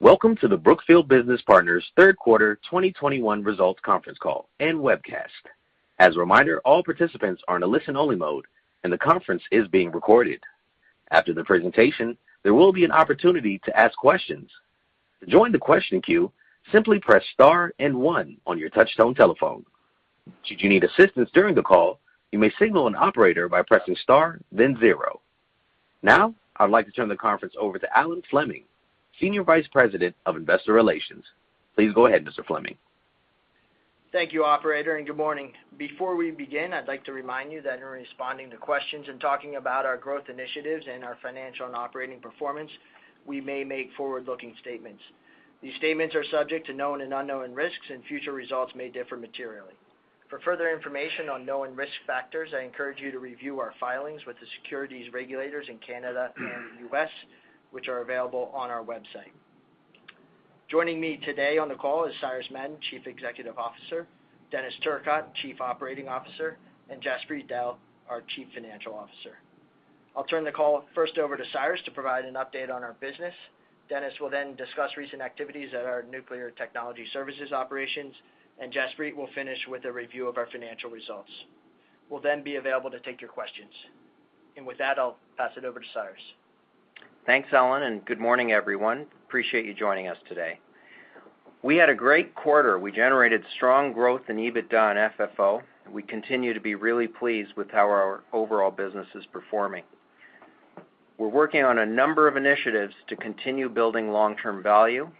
Welcome to the Brookfield Business Partners third quarter 2021 results conference call and webcast. As a reminder, all participants are in a listen-only mode and the conference is being recorded. After the presentation, there will be an opportunity to ask questions. To join the question queue, simply press star and one on your touchtone telephone. Should you need assistance during the call, you may signal an operator by pressing star then zero. Now, I'd like to turn the conference over to Alan Fleming, Senior Vice President of Investor Relations. Please go ahead, Mr. Fleming. Thank you, operator, and good morning. Before we begin, I'd like to remind you that in responding to questions and talking about our growth initiatives and our financial and operating performance, we may make forward-looking statements. These statements are subject to known and unknown risks, and future results may differ materially. For further information on known risk factors, I encourage you to review our filings with the securities regulators in Canada and the U.S., which are available on our website. Joining me today on the call is Cyrus Madon, Chief Executive Officer, Denis Turcotte, Chief Operating Officer, and Jaspreet Dehl, our Chief Financial Officer. I'll turn the call first over to Cyrus to provide an update on our business. Denis will then discuss recent activities at our Nuclear Technology Services operations, and Jaspreet will finish with a review of our financial results. We'll then be available to take your questions. With that, I'll pass it over to Cyrus. Thanks, Alan, and good morning, everyone. Appreciate you joining us today. We had a great quarter. We generated strong growth in EBITDA and FFO, and we continue to be really pleased with how our overall business is performing. We're working on a number of initiatives to continue building long-term value,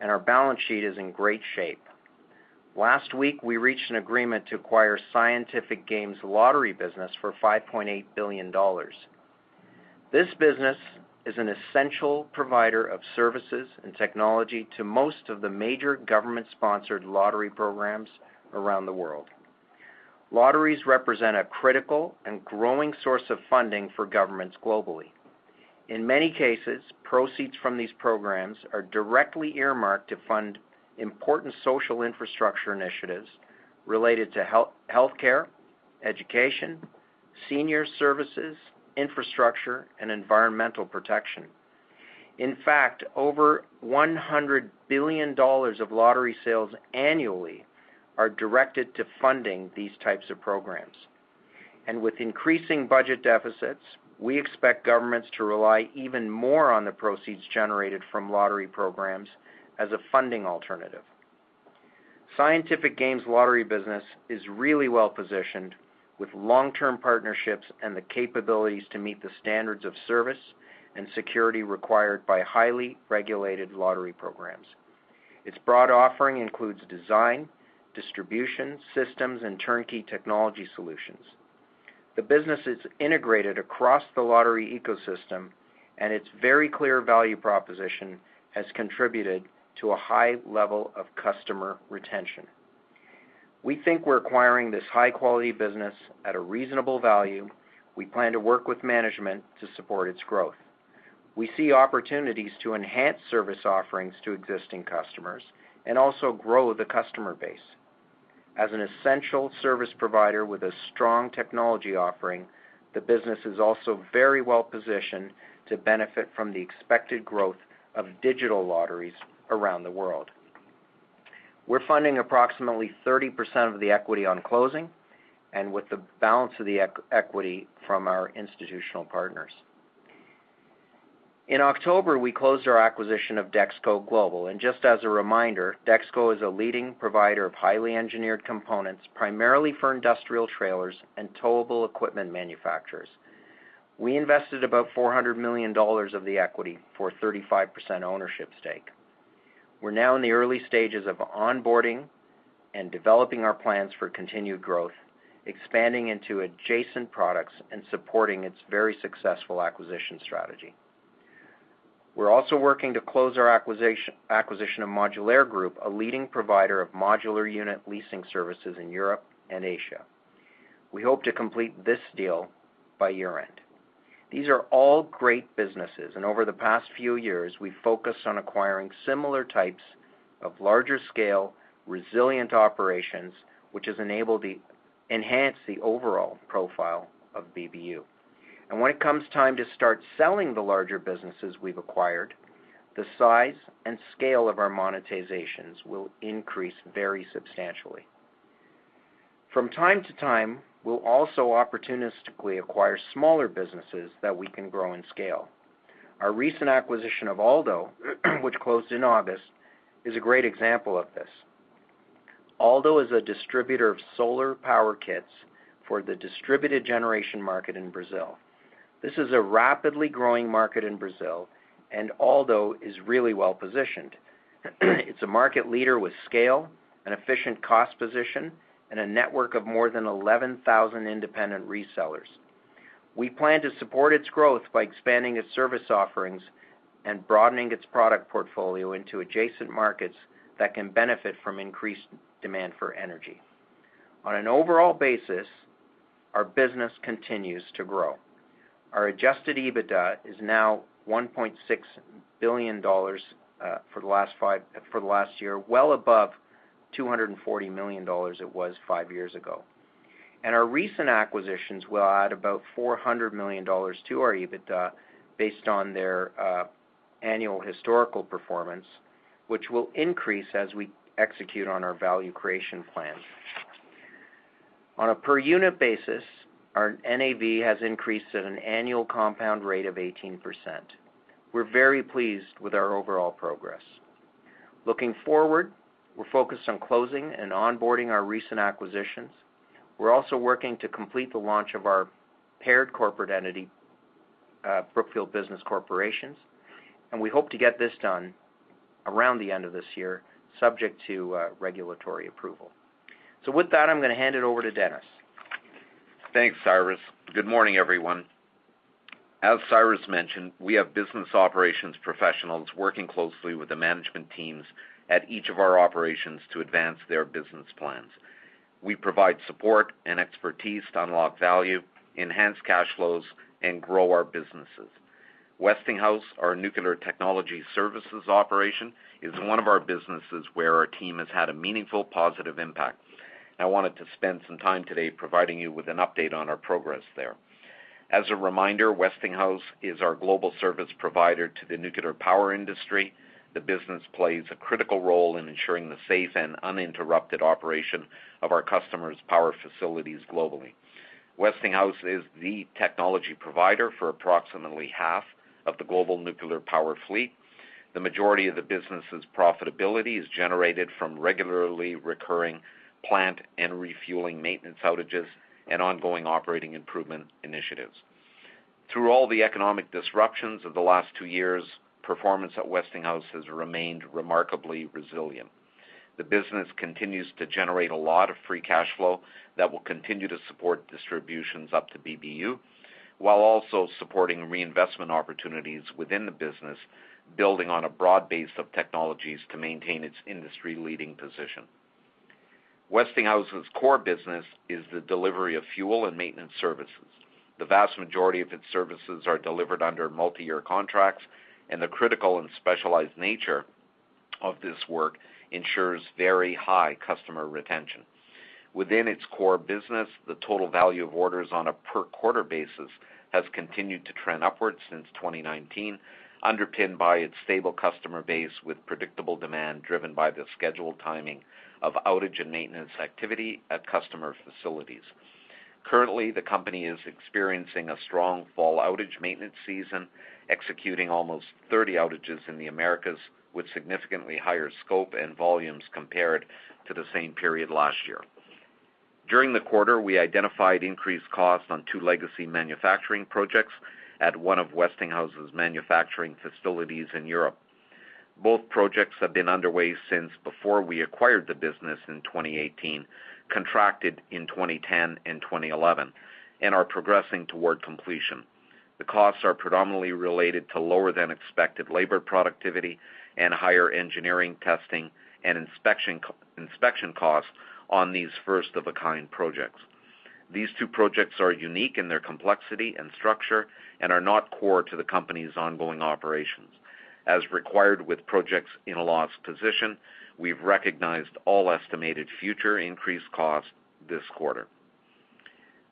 and our balance sheet is in great shape. Last week, we reached an agreement to acquire Scientific Games lottery business for $5.8 billion. This business is an essential provider of services and technology to most of the major government-sponsored lottery programs around the world. Lotteries represent a critical and growing source of funding for governments globally. In many cases, proceeds from these programs are directly earmarked to fund important social infrastructure initiatives related to health, healthcare, education, senior services, infrastructure, and environmental protection. In fact, over $100 billion of lottery sales annually are directed to funding these types of programs. With increasing budget deficits, we expect governments to rely even more on the proceeds generated from lottery programs as a funding alternative. Scientific Games lottery business is really well-positioned with long-term partnerships and the capabilities to meet the standards of service and security required by highly regulated lottery programs. Its broad offering includes design, distribution, systems, and turnkey technology solutions. The business is integrated across the lottery ecosystem, and its very clear value proposition has contributed to a high level of customer retention. We think we're acquiring this high-quality business at a reasonable value. We plan to work with management to support its growth. We see opportunities to enhance service offerings to existing customers and also grow the customer base. As an essential service provider with a strong technology offering, the business is also very well-positioned to benefit from the expected growth of digital lotteries around the world. We're funding approximately 30% of the equity on closing and with the balance of the equity from our institutional partners. In October, we closed our acquisition of DexKo Global. Just as a reminder, DexKo is a leading provider of highly engineered components, primarily for industrial trailers and towable equipment manufacturers. We invested about $400 million of the equity for a 35% ownership stake. We're now in the early stages of onboarding and developing our plans for continued growth, expanding into adjacent products and supporting its very successful acquisition strategy. We're also working to close our acquisition of Modulaire Group, a leading provider of modular unit leasing services in Europe and Asia. We hope to complete this deal by year-end. These are all great businesses, and over the past few years, we've focused on acquiring similar types of larger scale, resilient operations, which has enhanced the overall profile of BBU. When it comes time to start selling the larger businesses we've acquired, the size and scale of our monetizations will increase very substantially. From time to time, we'll also opportunistically acquire smaller businesses that we can grow and scale. Our recent acquisition of Aldo, which closed in August, is a great example of this. Aldo is a distributor of solar power kits for the distributed generation market in Brazil. This is a rapidly growing market in Brazil, and Aldo is really well-positioned. It's a market leader with scale, an efficient cost position, and a network of more than 11,000 independent resellers. We plan to support its growth by expanding its service offerings and broadening its product portfolio into adjacent markets that can benefit from increased demand for energy. On an overall basis, our business continues to grow. Our adjusted EBITDA is now $1.6 billion for the last year, well above $240 million it was five years ago. Our recent acquisitions will add about $400 million to our EBITDA based on their annual historical performance, which will increase as we execute on our value creation plan. On a per unit basis, our NAV has increased at an annual compound rate of 18%. We're very pleased with our overall progress. Looking forward, we're focused on closing and onboarding our recent acquisitions. We're also working to complete the launch of our paired corporate entity, Brookfield Business Corporation, and we hope to get this done around the end of this year, subject to regulatory approval. With that, I'm gonna hand it over to Denis. Thanks, Cyrus. Good morning, everyone. As Cyrus mentioned, we have business operations professionals working closely with the management teams at each of our operations to advance their business plans. We provide support and expertise to unlock value, enhance cash flows, and grow our businesses. Westinghouse, our nuclear technology services operation, is one of our businesses where our team has had a meaningful positive impact. I wanted to spend some time today providing you with an update on our progress there. As a reminder, Westinghouse is our global service provider to the nuclear power industry. The business plays a critical role in ensuring the safe and uninterrupted operation of our customers' power facilities globally. Westinghouse is the technology provider for approximately half of the global nuclear power fleet. The majority of the business's profitability is generated from regularly recurring plant and refueling maintenance outages and ongoing operating improvement initiatives. Through all the economic disruptions of the last two years, performance at Westinghouse has remained remarkably resilient. The business continues to generate a lot of free cash flow that will continue to support distributions up to BBU, while also supporting reinvestment opportunities within the business, building on a broad base of technologies to maintain its industry-leading position. Westinghouse's core business is the delivery of fuel and maintenance services. The vast majority of its services are delivered under multi-year contracts, and the critical and specialized nature of this work ensures very high customer retention. Within its core business, the total value of orders on a per-quarter basis has continued to trend upwards since 2019, underpinned by its stable customer base with predictable demand driven by the scheduled timing of outage and maintenance activity at customer facilities. Currently, the company is experiencing a strong fall outage maintenance season, executing almost 30 outages in the Americas, with significantly higher scope and volumes compared to the same period last year. During the quarter, we identified increased costs on two legacy manufacturing projects at one of Westinghouse's manufacturing facilities in Europe. Both projects have been underway since before we acquired the business in 2018, contracted in 2010 and 2011, and are progressing toward completion. The costs are predominantly related to lower-than-expected labor productivity and higher engineering, testing, and inspection costs on these first-of-a-kind projects. These two projects are unique in their complexity and structure and are not core to the company's ongoing operations. As required with projects in a loss position, we've recognized all estimated future increased costs this quarter.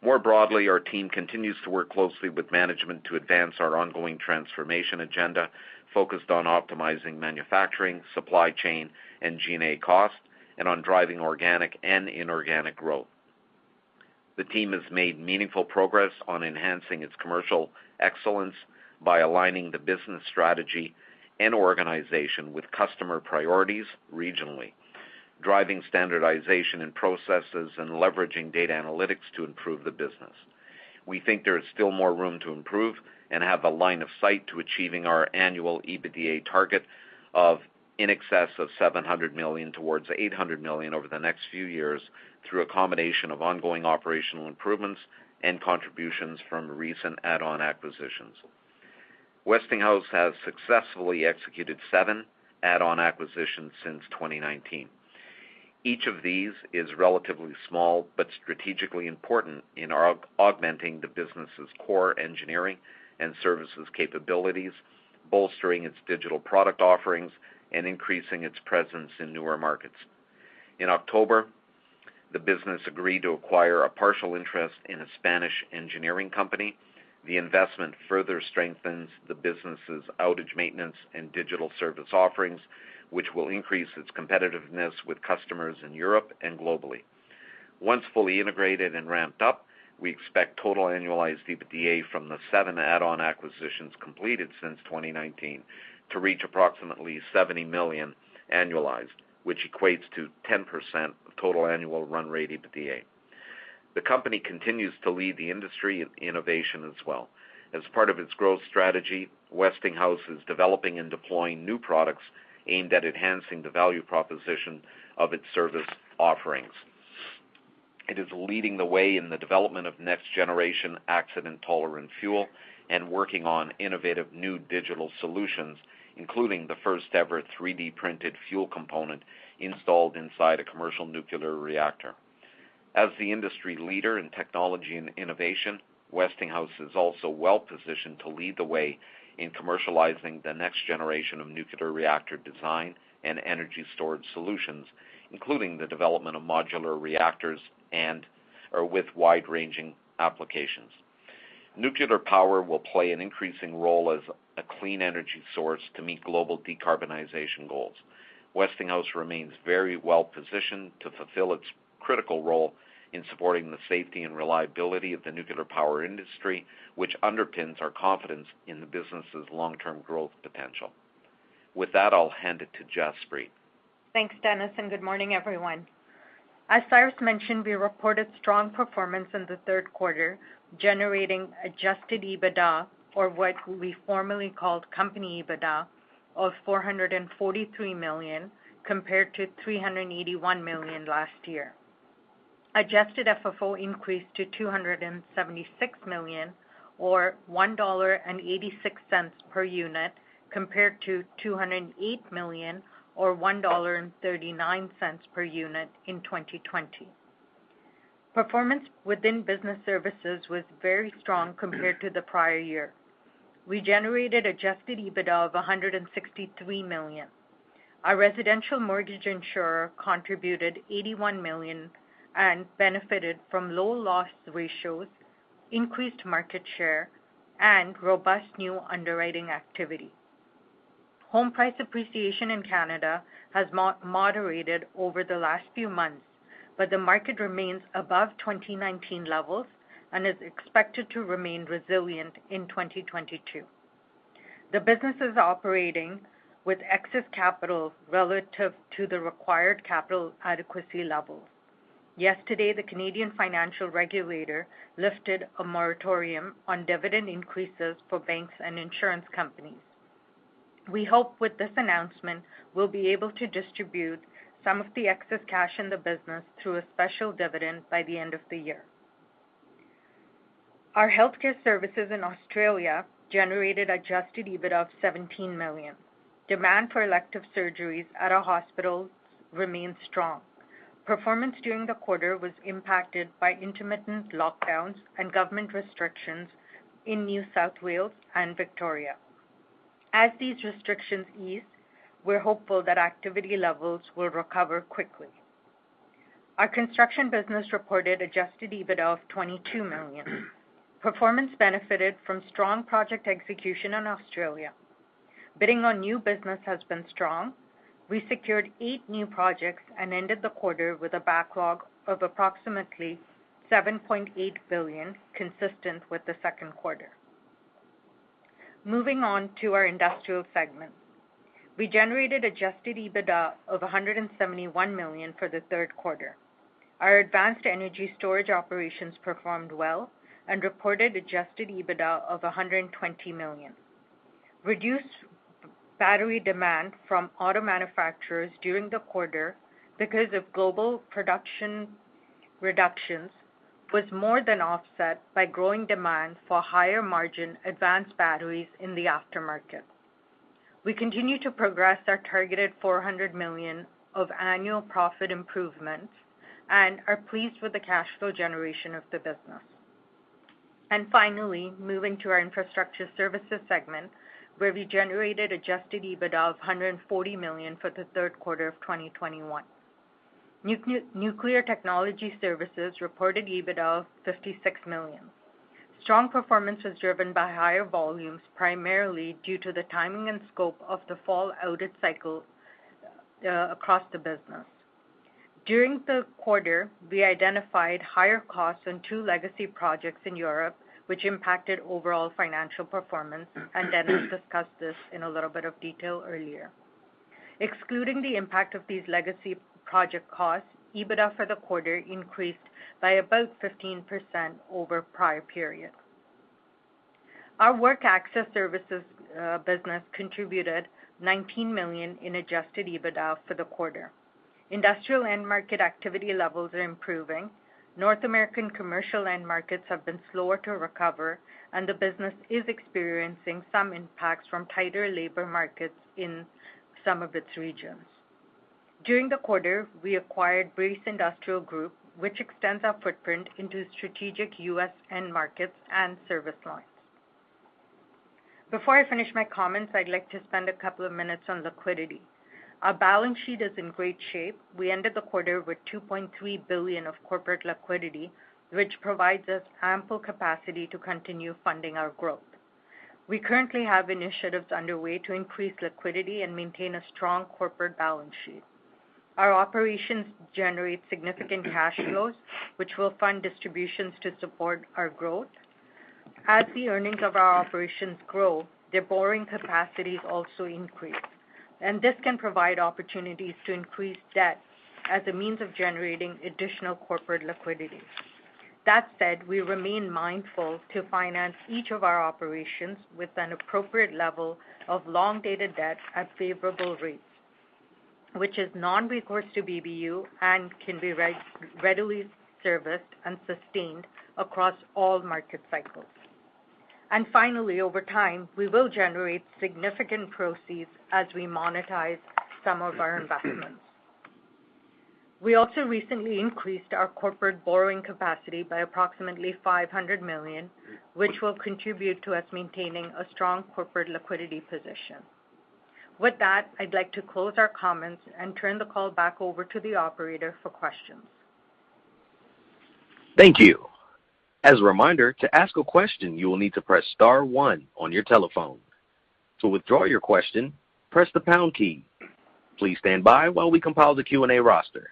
More broadly, our team continues to work closely with management to advance our ongoing transformation agenda focused on optimizing manufacturing, supply chain, and G&A costs, and on driving organic and inorganic growth. The team has made meaningful progress on enhancing its commercial excellence by aligning the business strategy and organization with customer priorities regionally, driving standardization in processes, and leveraging data analytics to improve the business. We think there is still more room to improve and have a line of sight to achieving our annual EBITDA target of in excess of $700 million towards $800 million over the next few years through a combination of ongoing operational improvements and contributions from recent add-on acquisitions. Westinghouse has successfully executed seven add-on acquisitions since 2019. Each of these is relatively small but strategically important in augmenting the business's core engineering and services capabilities, bolstering its digital product offerings, and increasing its presence in newer markets. In October, the business agreed to acquire a partial interest in a Spanish engineering company. The investment further strengthens the business's outage maintenance and digital service offerings, which will increase its competitiveness with customers in Europe and globally. Once fully integrated and ramped up, we expect total annualized EBITDA from the seven add-on acquisitions completed since 2019 to reach approximately $70 million annualized, which equates to 10% of total annual run rate EBITDA. The company continues to lead the industry in innovation as well. As part of its growth strategy, Westinghouse is developing and deploying new products aimed at enhancing the value proposition of its service offerings. It is leading the way in the development of next-generation accident-tolerant fuel and working on innovative new digital solutions, including the first-ever 3D-printed fuel component installed inside a commercial nuclear reactor. As the industry leader in technology and innovation, Westinghouse is also well-positioned to lead the way in commercializing the next generation of nuclear reactor design and energy storage solutions, including the development of modular reactors or with wide-ranging applications. Nuclear power will play an increasing role as a clean energy source to meet global decarbonization goals. Westinghouse remains very well-positioned to fulfill its critical role in supporting the safety and reliability of the nuclear power industry, which underpins our confidence in the business's long-term growth potential. With that, I'll hand it to Jaspreet. Thanks, Denis, and good morning, everyone. As Cyrus mentioned, we reported strong performance in the third quarter, generating adjusted EBITDA, or what we formerly called company EBITDA, of $443 million, compared to $381 million last year. Adjusted FFO increased to $276 million or $1.86 per unit compared to $208 million or $1.39 per unit in 2020. Performance within business services was very strong compared to the prior year. We generated adjusted EBITDA of $163 million. Our residential mortgage insurer contributed $81 million and benefited from low loss ratios, increased market share, and robust new underwriting activity. Home price appreciation in Canada has moderated over the last few months, but the market remains above 2019 levels and is expected to remain resilient in 2022. The business is operating with excess capital relative to the required capital adequacy levels. Yesterday, the Canadian financial regulator lifted a moratorium on dividend increases for banks and insurance companies. We hope with this announcement we'll be able to distribute some of the excess cash in the business through a special dividend by the end of the year. Our healthcare services in Australia generated adjusted EBITDA of $17 million. Demand for elective surgeries at our hospitals remains strong. Performance during the quarter was impacted by intermittent lockdowns and government restrictions in New South Wales and Victoria. As these restrictions ease, we're hopeful that activity levels will recover quickly. Our construction business reported adjusted EBITDA of $22 million. Performance benefited from strong project execution in Australia. Bidding on new business has been strong. We secured eight new projects and ended the quarter with a backlog of approximately $7.8 billion, consistent with the second quarter. Moving on to our industrial segment. We generated adjusted EBITDA of $171 million for the third quarter. Our advanced energy storage operations performed well and reported adjusted EBITDA of $120 million. Reduced battery demand from auto manufacturers during the quarter because of global production reductions was more than offset by growing demand for higher-margin advanced batteries in the aftermarket. We continue to progress our targeted $400 million of annual profit improvements and are pleased with the cash flow generation of the business. Finally, moving to our infrastructure services segment, where we generated adjusted EBITDA of $140 million for the third quarter of 2021. Nuclear technology services reported EBITDA of $56 million. Strong performance was driven by higher volumes, primarily due to the timing and scope of the fall outage cycle, across the business. During the quarter, we identified higher costs on two legacy projects in Europe, which impacted overall financial performance, and Denis discussed this in a little bit of detail earlier. Excluding the impact of these legacy project costs, EBITDA for the quarter increased by about 15% over prior periods. Our work access services business contributed $19 million in adjusted EBITDA for the quarter. Industrial end market activity levels are improving. North American commercial end markets have been slower to recover, and the business is experiencing some impacts from tighter labor markets in some of its regions. During the quarter, we acquired Brace Industrial Group, which extends our footprint into strategic U.S. end markets and service lines. Before I finish my comments, I'd like to spend a couple of minutes on liquidity. Our balance sheet is in great shape. We ended the quarter with $2.3 billion of corporate liquidity, which provides us ample capacity to continue funding our growth. We currently have initiatives underway to increase liquidity and maintain a strong corporate balance sheet. Our operations generate significant cash flows, which will fund distributions to support our growth. As the earnings of our operations grow, their borrowing capacities also increase, and this can provide opportunities to increase debt as a means of generating additional corporate liquidity. That said, we remain mindful to finance each of our operations with an appropriate level of long-dated debt at favorable rates, which is non-recourse to BBU and can be readily serviced and sustained across all market cycles. Finally, over time, we will generate significant proceeds as we monetize some of our investments. We also recently increased our corporate borrowing capacity by approximately $500 million, which will contribute to us maintaining a strong corporate liquidity position. With that, I'd like to close our comments and turn the call back over to the operator for questions. Thank you. As a reminder, to ask a question, you will need to press star one on your telephone. To withdraw your question, press the pound key. Please stand by while we compile the Q&A roster.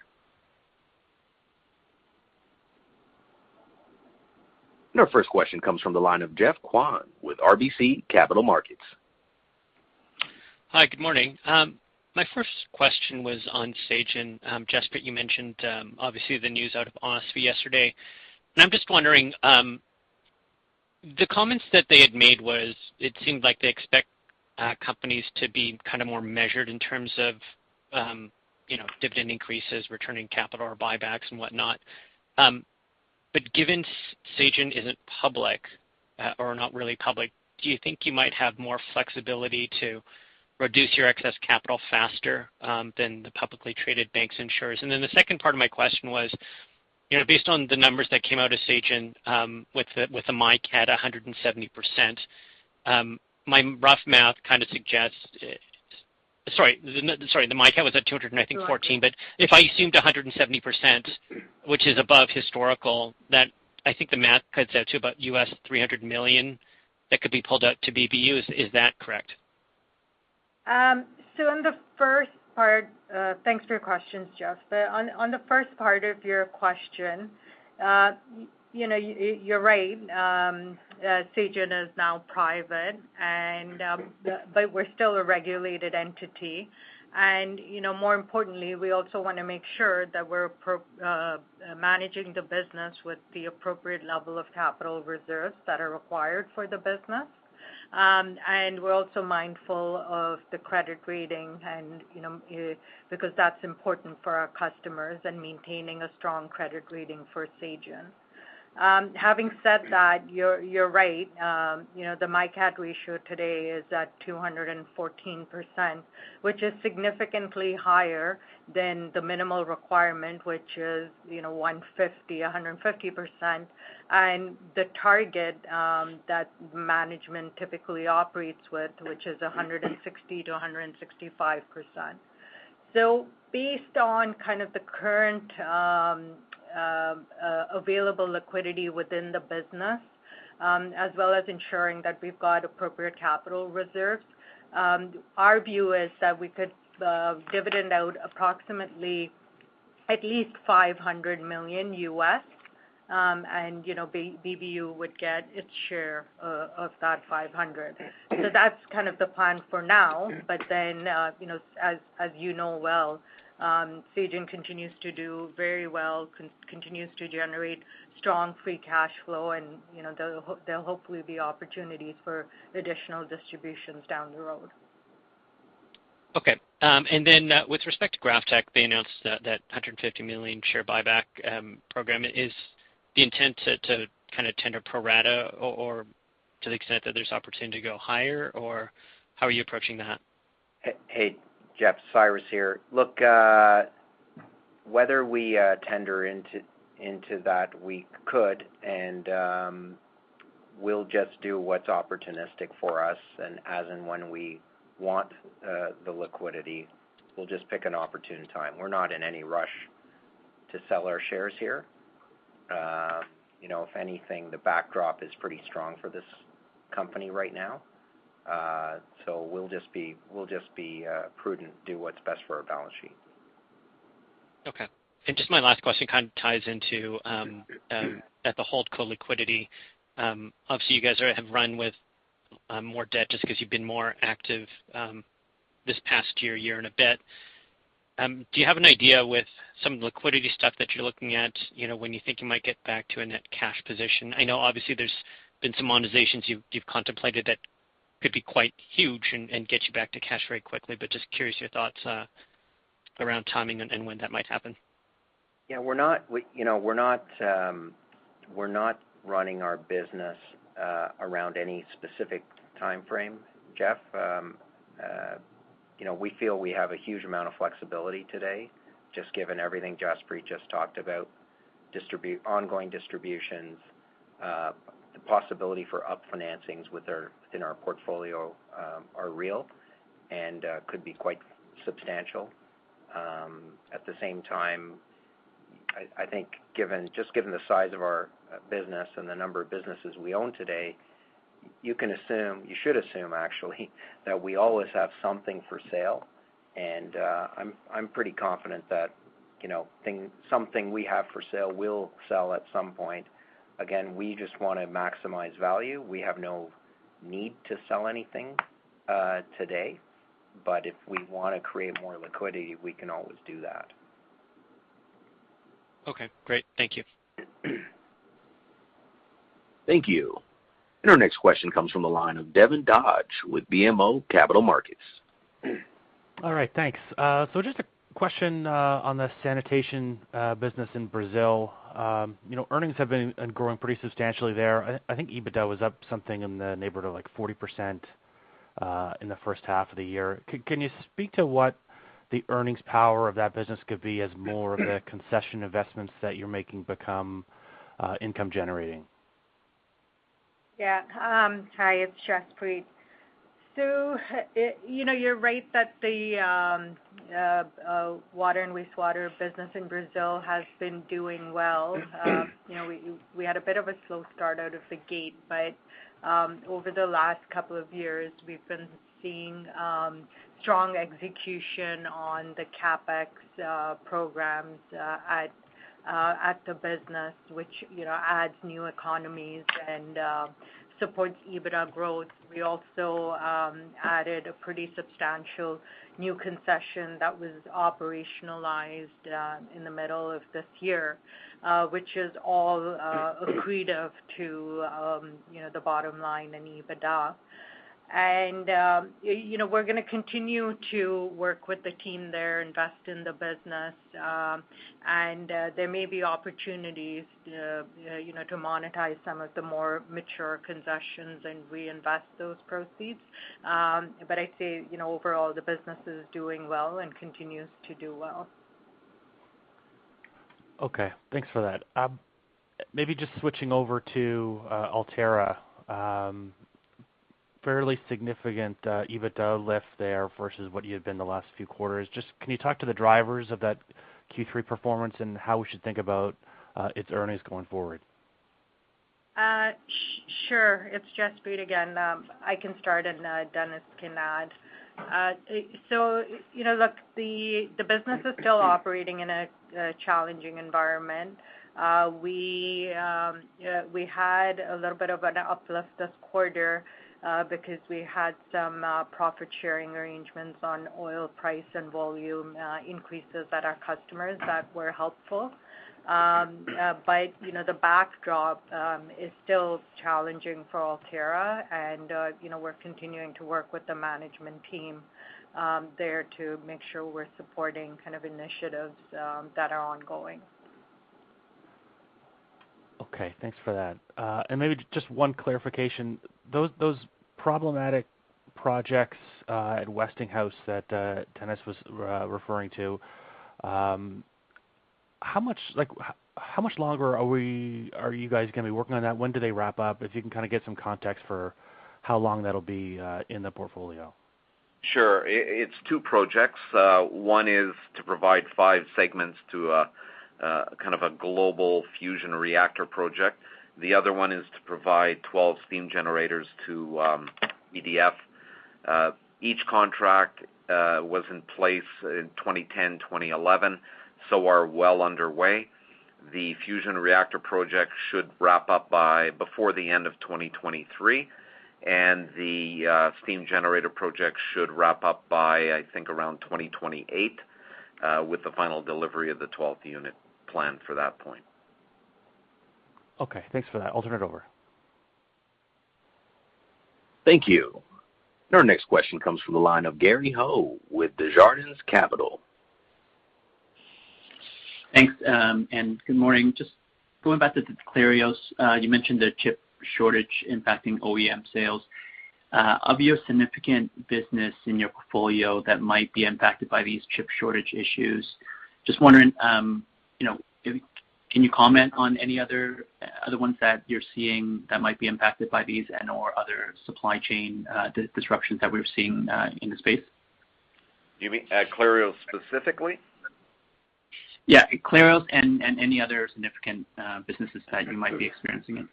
Our first question comes from the line of Geoff Kwan with RBC Capital Markets. Hi, good morning. My first question was on Sagen. Jaspreet, you mentioned obviously the news out of OSFI yesterday. I'm just wondering, the comments that they had made was it seemed like they expect companies to be kind of more measured in terms of, you know, dividend increases, returning capital or buybacks and whatnot. But given Sagen isn't public or not really public, do you think you might have more flexibility to reduce your excess capital faster than the publicly traded banks insurers? Then the second part of my question was, you know, based on the numbers that came out of Sagen, with the MICAT at 170%, my rough math kind of suggests it. Sorry, the MICAT was at 214%. 214%. If I assumed 170%, which is above historical, that I think the math cuts that to about $300 million that could be pulled out to BBU, is that correct? On the first part, thanks for your questions, Geoff. On the first part of your question, you know, you're right. Sagen is now private and, but we're still a regulated entity. You know, more importantly, we also want to make sure that we're managing the business with the appropriate level of capital reserves that are required for the business. We're also mindful of the credit rating and, you know, because that's important for our customers and maintaining a strong credit rating for Sagen. Having said that, you're right. You know, the MICAT we issued today is at 214%, which is significantly higher than the minimal requirement, which is 150%. The target that management typically operates with, which is 160%-165%. Based on kind of the current available liquidity within the business, as well as ensuring that we've got appropriate capital reserves, our view is that we could dividend out approximately at least $500 million, and, you know, BBU would get its share of that $500 million. That's kind of the plan for now. You know, as you know well, Sagen continues to do very well, continues to generate strong free cash flow. You know, there'll hopefully be opportunities for additional distributions down the road. Okay. With respect to GrafTech, they announced that $150 million share buyback program. Is the intent to kind of tender pro rata or to the extent that there's opportunity to go higher, or how are you approaching that? Hey, Geoff, Cyrus here. Look, whether we tender into that, we could, and we'll just do what's opportunistic for us. As and when we want the liquidity, we'll just pick an opportune time. We're not in any rush to sell our shares here. You know, if anything, the backdrop is pretty strong for this company right now. So we'll just be prudent, do what's best for our balance sheet. Okay. Just my last question kind of ties into the holdco liquidity. Obviously, you guys have run with more debt just because you've been more active this past year and a bit. Do you have an idea with some of the liquidity stuff that you're looking at, you know, when you think you might get back to a net cash position? I know obviously there's been some monetizations you've contemplated that could be quite huge and get you back to cash very quickly. Just curious your thoughts around timing and when that might happen. Yeah, you know, we're not running our business around any specific timeframe, Geoffrey. You know, we feel we have a huge amount of flexibility today, just given everything Jaspreet just talked about. Ongoing distributions, the possibility for refinancings within our portfolio, are real and could be quite substantial. At the same time, I think given the size of our business and the number of businesses we own today, you can assume, you should assume actually that we always have something for sale. I'm pretty confident that, you know, something we have for sale will sell at some point. Again, we just wanna maximize value. We have no need to sell anything today. If we wanna create more liquidity, we can always do that. Okay, great. Thank you. Thank you. Our next question comes from the line of Devin Dodge with BMO Capital Markets. All right. Thanks. Just a question on the sanitation business in Brazil. You know, earnings have been growing pretty substantially there. I think EBITDA was up something in the neighborhood of like 40% in the first half of the year. Can you speak to what the earnings power of that business could be as more of the concession investments that you're making become income generating? Yeah. Hi, it's Jaspreet. You know, you're right that the water and wastewater business in Brazil has been doing well. You know, we had a bit of a slow start out of the gate, but over the last couple of years, we've been seeing strong execution on the CapEx programs at the business, which, you know, adds new economies and supports EBITDA growth. We also added a pretty substantial new concession that was operationalized in the middle of this year, which is all accretive to, you know, the bottom line and EBITDA. You know, we're gonna continue to work with the team there, invest in the business. There may be opportunities, you know, to monetize some of the more mature concessions and reinvest those proceeds. I'd say, you know, overall, the business is doing well and continues to do well. Okay. Thanks for that. Maybe just switching over to Altera. Fairly significant EBITDA lift there versus what you had been the last few quarters. Just can you talk to the drivers of that Q3 performance and how we should think about its earnings going forward? Sure. It's Jaspreet again. I can start, and Denis can add. You know, look, the business is still operating in a challenging environment. We had a little bit of an uplift this quarter, because we had some profit-sharing arrangements on oil price and volume increases at our customers that were helpful. You know, the backdrop is still challenging for Altera, and you know, we're continuing to work with the management team there to make sure we're supporting kind of initiatives that are ongoing. Okay. Thanks for that. Maybe just one clarification. Those problematic projects at Westinghouse that Denis was referring to, like, how much longer are you guys gonna be working on that? When do they wrap up? If you can kind of get some context for how long that'll be in the portfolio. Sure. It's two projects. One is to provide five segments to kind of a global fusion reactor project. The other one is to provide 12 steam generators to EDF. Each contract was in place in 2010, 2011, so are well underway. The fusion reactor project should wrap up by the end of 2023, and the steam generator project should wrap up by, I think, around 2028, with the final delivery of the 12th unit planned for that point. Okay. Thanks for that. I'll turn it over. Thank you. Our next question comes from the line of Gary Ho with Desjardins Capital. Thanks, good morning. Just going back to the Clarios. You mentioned the chip shortage impacting OEM sales. Of your significant business in your portfolio that might be impacted by these chip shortage issues, just wondering, you know, can you comment on any other ones that you're seeing that might be impacted by these and/or other supply chain disruptions that we're seeing in the space? You mean at Clarios specifically? Yeah, Clarios and any other significant businesses that you might be experiencing it.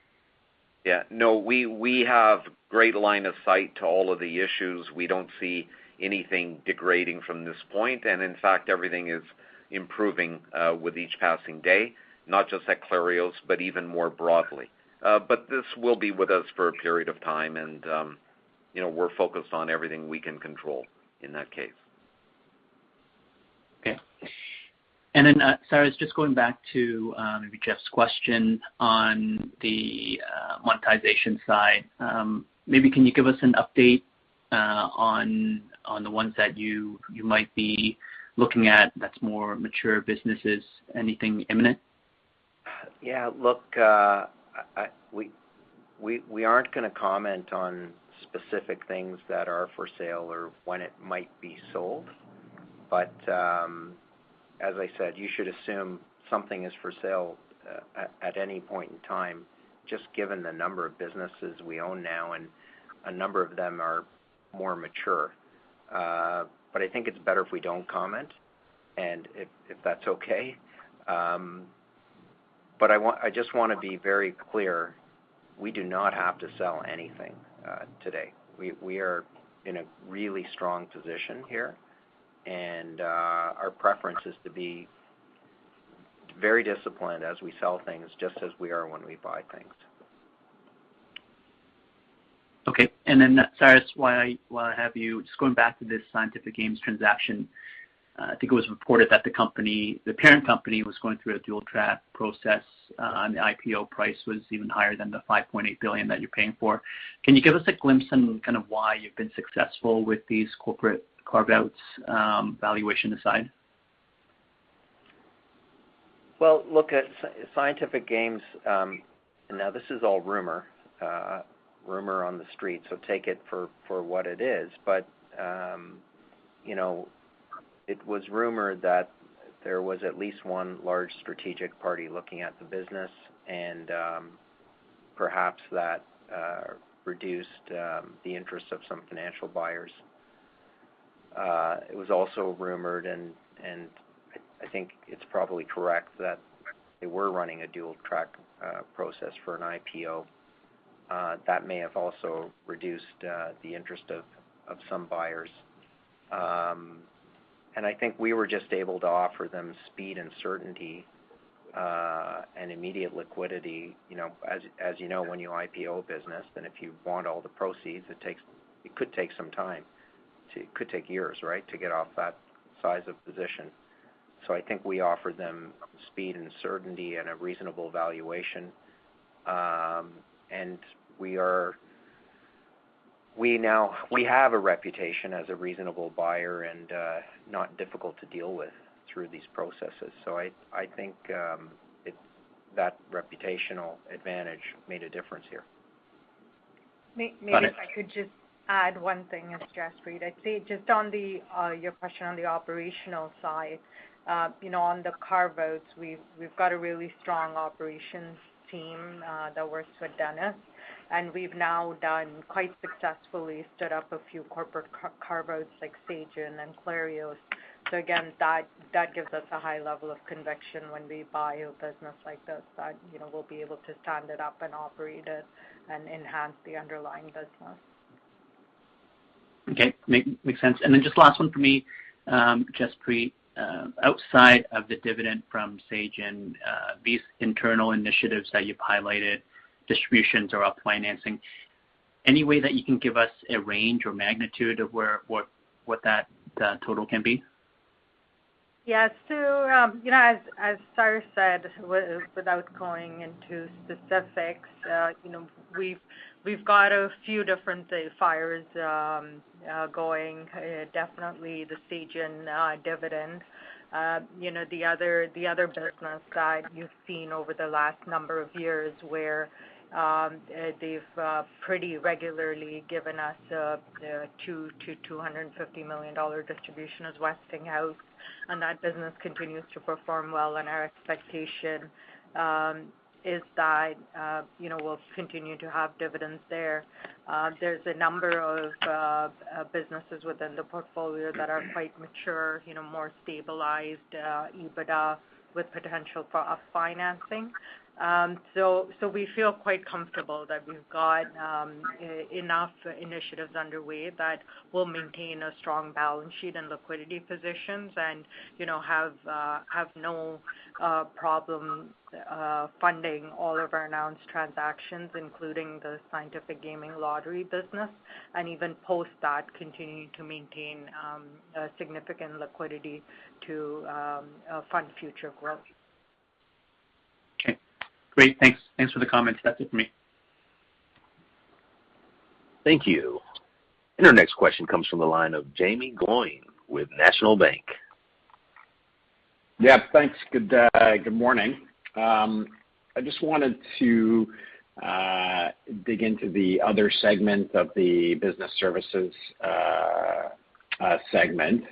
Yeah, no, we have great line of sight to all of the issues. We don't see anything degrading from this point. In fact, everything is improving with each passing day, not just at Clarios, but even more broadly. This will be with us for a period of time and, you know, we're focused on everything we can control in that case. Okay. Sorry, I was just going back to maybe Geoff's question on the monetization side. Maybe can you give us an update on the ones that you might be looking at that's more mature businesses? Anything imminent? Look, we aren't gonna comment on specific things that are for sale or when it might be sold. As I said, you should assume something is for sale at any point in time, just given the number of businesses we own now, and a number of them are more mature. I think it's better if we don't comment and if that's okay. I just wanna be very clear, we do not have to sell anything today. We are in a really strong position here, and our preference is to be very disciplined as we sell things just as we are when we buy things. Just going back to this Scientific Games transaction, I think it was reported that the company, the parent company, was going through a dual-track process, and the IPO price was even higher than the $5.8 billion that you're paying for. Can you give us a glimpse on kind of why you've been successful with these corporate carve-outs, valuation aside? Well, look at Scientific Games. Now this is all rumor on the street, so take it for what it is. It was rumored that there was at least one large strategic party looking at the business, and perhaps that reduced the interest of some financial buyers. It was also rumored, and I think it's probably correct that they were running a dual-track process for an IPO. That may have also reduced the interest of some buyers. I think we were just able to offer them speed and certainty and immediate liquidity. You know, as you know, when you IPO a business, then if you want all the proceeds, it could take some time. It could take years, right, to get off that size of position. I think we offered them speed and certainty and a reasonable valuation. We now have a reputation as a reasonable buyer and not difficult to deal with through these processes. I think it's that reputational advantage made a difference here. Maybe I could just add one thing as Jaspreet. I'd say just on your question on the operational side, you know, on the carve-outs, we've got a really strong operations team that works with Dennis. We've now quite successfully stood up a few corporate carve-outs like Sagen and Clarios. Again, that gives us a high level of conviction when we buy a business like this that, you know, we'll be able to stand it up and operate it and enhance the underlying business. Okay. Makes sense. Just last one for me, Jaspreet. Outside of the dividend from Sagen, these internal initiatives that you've highlighted, distributions or refinancing, any way that you can give us a range or magnitude of what that total can be? Yes, you know, as Cyrus said, without going into specifics, you know, we've got a few different fires going, definitely the Sagen dividend. You know, the other business that you've seen over the last number of years where they've pretty regularly given us $200 million-$250 million distribution is Westinghouse, and that business continues to perform well. Our expectation is that, you know, we'll continue to have dividends there. There's a number of businesses within the portfolio that are quite mature, you know, more stabilized EBITDA with potential for up-financing. We feel quite comfortable that we've got enough initiatives underway that will maintain a strong balance sheet and liquidity positions and, you know, have no problem funding all of our announced transactions, including the Scientific Games lottery business, and even post that continue to maintain significant liquidity to fund future growth. Okay. Great. Thanks. Thanks for the comments. That's it for me. Thank you. Our next question comes from the line of Jaeme Gloyn with National Bank. Yeah, thanks. Good morning. I just wanted to dig into the other segment of the business services segment.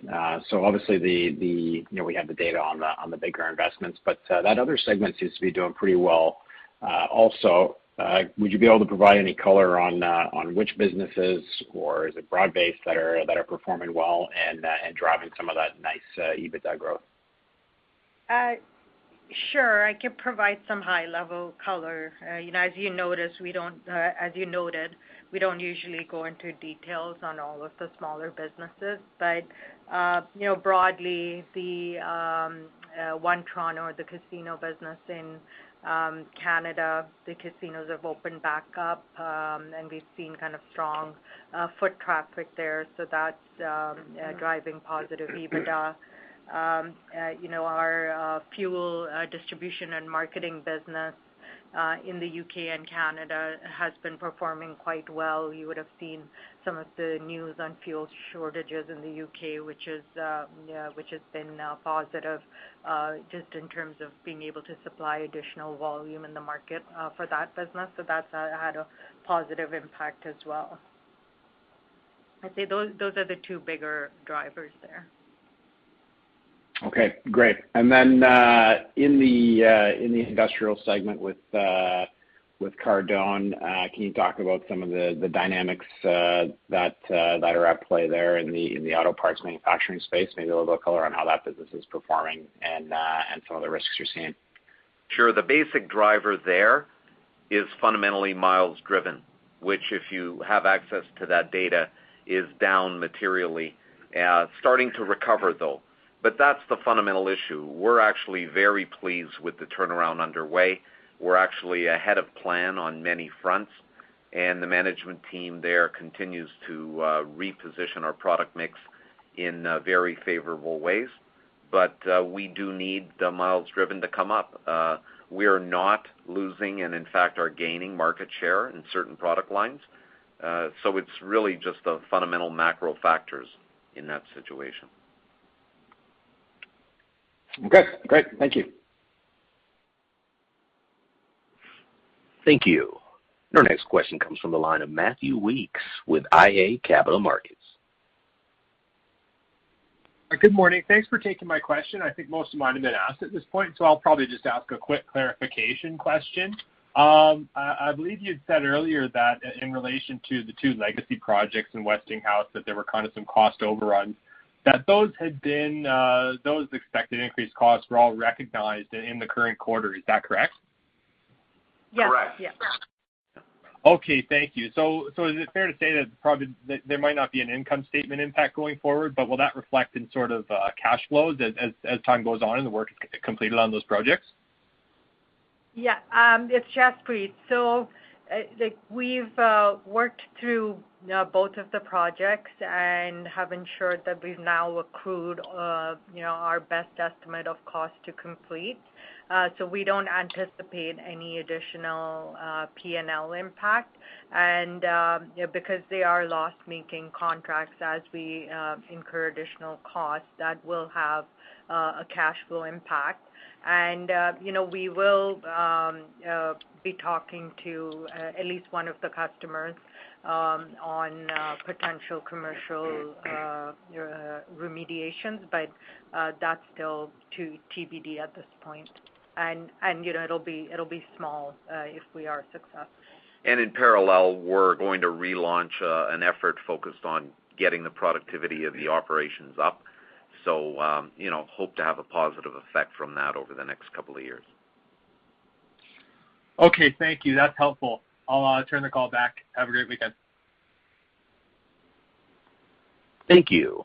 So obviously, you know, we have the data on the bigger investments, but that other segment seems to be doing pretty well. Also, would you be able to provide any color on which businesses or is it broad-based that are performing well and driving some of that nice EBITDA growth? Sure, I can provide some high-level color. You know, as you noted, we don't usually go into details on all of the smaller businesses. You know, broadly the One Toronto, the casino business in Canada, the casinos have opened back up, and we've seen kind of strong foot traffic there. That's driving positive EBITDA. You know, our fuel distribution and marketing business in the U.K. and Canada has been performing quite well. You would have seen some of the news on fuel shortages in the U.K., which has been positive, just in terms of being able to supply additional volume in the market for that business. That's had a positive impact as well. I'd say those are the two bigger drivers there. Okay, great. In the industrial segment with Cardone, can you talk about some of the dynamics that are at play there in the auto parts manufacturing space? Maybe a little color on how that business is performing and some of the risks you're seeing. Sure. The basic driver there is fundamentally miles driven, which if you have access to that data, is down materially, starting to recover though. That's the fundamental issue. We're actually very pleased with the turnaround underway. We're actually ahead of plan on many fronts, and the management team there continues to reposition our product mix in very favorable ways. We do need the miles driven to come up. We are not losing and in fact are gaining market share in certain product lines. It's really just the fundamental macro factors in that situation. Okay, great. Thank you. Thank you. Our next question comes from the line of Matthew Weekes with iA Capital Markets. Good morning. Thanks for taking my question. I think most of mine have been asked at this point, so I'll probably just ask a quick clarification question. I believe you had said earlier that in relation to the two legacy projects in Westinghouse, that there were kind of some cost overruns, that those had been, those expected increased costs were all recognized in the current quarter. Is that correct? Yes. Yes. Okay. Thank you. Is it fair to say that probably there might not be an income statement impact going forward, but will that reflect in sort of cash flows as time goes on and the work is completed on those projects? Yeah. It's Jaspreet. Like, we've worked through both of the projects and have ensured that we've now accrued you know our best estimate of cost to complete. We don't anticipate any additional P&L impact and you know because they are loss-making contracts as we incur additional costs, that will have a cash flow impact. We will be talking to at least one of the customers on potential commercial remediations, but that's still to TBD at this point. You know, it'll be small if we are successful. In parallel, we're going to relaunch an effort focused on getting the productivity of the operations up. You know, we hope to have a positive effect from that over the next couple of years. Okay, thank you. That's helpful. I'll turn the call back. Have a great weekend. Thank you.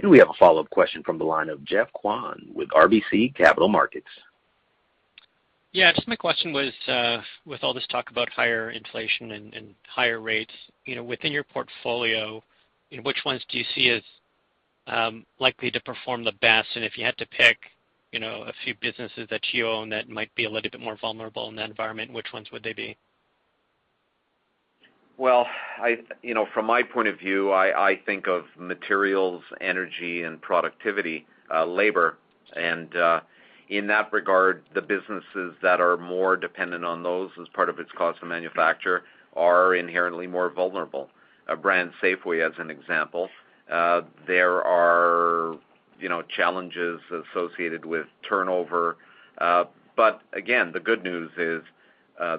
Do we have a follow-up question from the line of Geoff Kwan with RBC Capital Markets? Yeah, just my question was, with all this talk about higher inflation and higher rates, you know, within your portfolio, you know, which ones do you see as likely to perform the best? If you had to pick, you know, a few businesses that you own that might be a little bit more vulnerable in that environment, which ones would they be? Well, you know, from my point of view, I think of materials, energy, and productivity, labor. In that regard, the businesses that are more dependent on those as part of its cost of manufacture are inherently more vulnerable. BrandSafway as an example. There are, you know, challenges associated with turnover. But again, the good news is,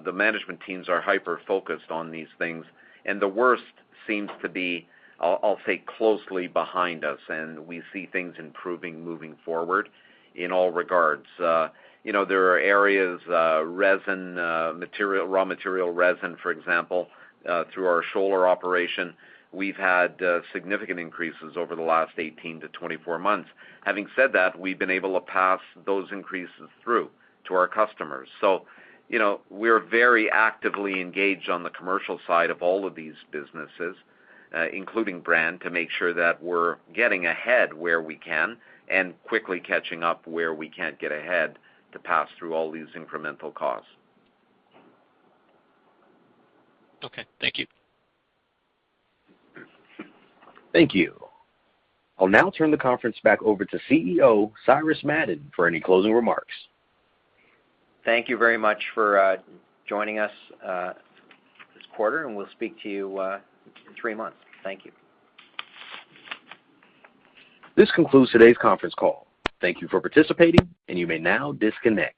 the management teams are hyper-focused on these things, and the worst seems to be, I'll say, closely behind us, and we see things improving moving forward in all regards. You know, there are areas, resin, material, raw material resin, for example, through our Schoeller operation. We've had significant increases over the last 18-24 months. Having said that, we've been able to pass those increases through to our customers. You know, we're very actively engaged on the commercial side of all of these businesses, including BrandSafway, to make sure that we're getting ahead where we can and quickly catching up where we can't get ahead to pass through all these incremental costs. Okay. Thank you. Thank you. I'll now turn the conference back over to CEO, Cyrus Madon, for any closing remarks. Thank you very much for joining us this quarter, and we'll speak to you in three months. Thank you. This concludes today's conference call. Thank you for participating, and you may now disconnect.